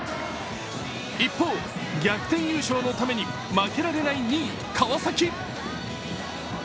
一方、逆転優勝のために負けられない２位・川崎。